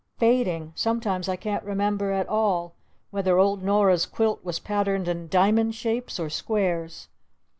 Fading! Sometimes I can't remember at all whether old Nora's quilt was patterned in diamond shapes or squares.